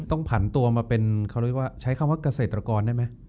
ต้องผ่านตัวมาเป็นใช้คำว่าเกษตรกรได้มั้ย